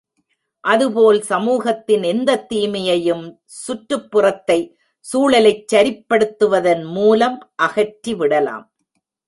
அதுபோல் சமூகத்தின் எந்தத் தீமையையும் சுற்றுப் புறத்தை சூழலைச் சரிப்படுத்துவதன் மூலம் அகற்றி விடலாம்.